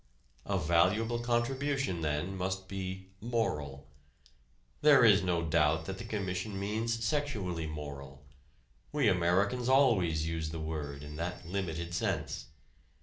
A valuable contribution, then, must be moral. There is no doubt that the Commission means sexually moral. We Americans always use the word in that limited sense.